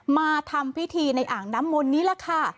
มาทำพิธีในอ่างน้ำมนต์นี้แหละค่ะ